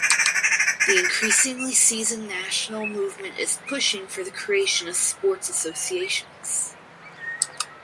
The increasingly seasoned national movement is pushing for the creation of sports associations.